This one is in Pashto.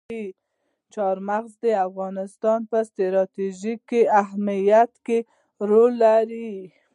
چار مغز د افغانستان په ستراتیژیک اهمیت کې رول لري.